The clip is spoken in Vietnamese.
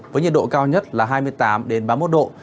với nhiệt độ cao nhất là hai mươi tám ba mươi một độ